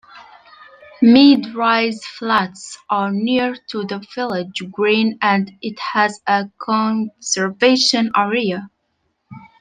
Mid-rise flats are near to the village green and it has a conservation area.